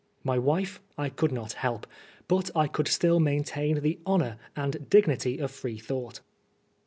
My wife I could not help, but I could still maintain the honor and dignity of Freethought.